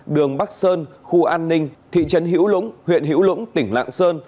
đường bắc sơn khu an ninh thị trấn hiễu lũng huyện hiễu lũng tỉnh lạng sơn